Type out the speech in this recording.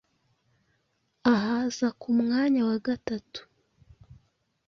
Ahaza ku mwanya wa gatatu